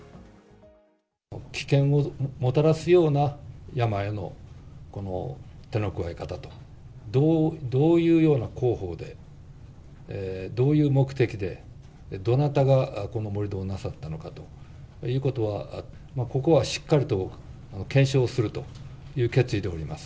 危険をもたらすような山への手の加え方と、どういうような工法で、どういう目的で、どなたがこの盛り土をなさったのかということは、ここはしっかりと検証するという決意でおります。